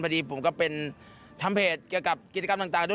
ผมก็เป็นทำเพจเกี่ยวกับกิจกรรมต่างด้วย